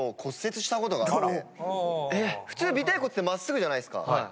普通尾てい骨って真っすぐじゃないっすか。